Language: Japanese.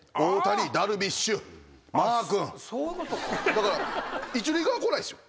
だから一塁側来ないっすよ。